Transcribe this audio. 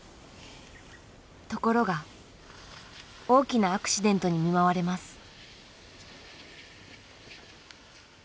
ところが大きなアクシデントに見舞われます。